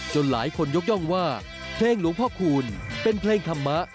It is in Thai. หลายคนยกย่องว่าเพลงหลวงพ่อคูณเป็นเพลงธรรมะ